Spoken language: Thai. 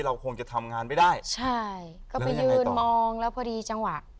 เราคงจะทำงานไม่ได้ใช่ก็ไปยืนมองแล้วพอดีจังหวะ